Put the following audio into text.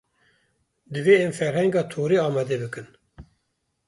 Divê em ferhenga torê amade bikin.